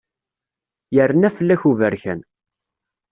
Yerna fell-ak uberkan.